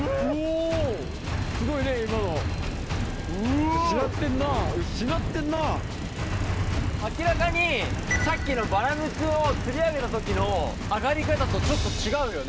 すごいね今の。明らかにさっきのバラムツを釣り上げた時の上がり方とちょっと違うよね。